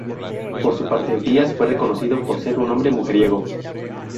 Por su parte, Díaz fue reconocido por ser un hombre mujeriego.